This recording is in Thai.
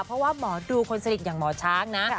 เพราะว่าหมอดูคนสนิทอย่างหมอช้างนะ